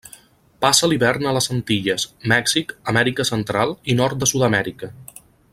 Passa l'hivern a les Antilles, Mèxic, Amèrica Central i nord de Sud-amèrica.